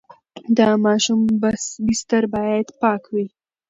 د ماشوم بستر باید پاک وي.